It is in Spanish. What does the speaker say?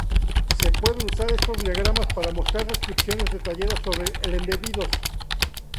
Se pueden usar estos diagramas para mostrar restricciones detalladas sobre el embebidos.